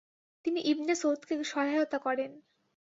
তিনি ইবনে সৌদকে সহায়তা করেন।